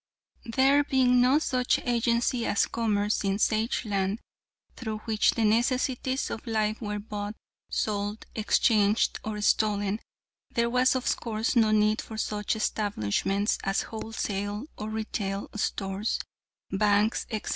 "There being no such agency as commerce in Sageland, through which the necessities of life were bought, sold, exchanged, or stolen, there was, of course, no need for such establishments as wholesale or retail stores, banks, etc.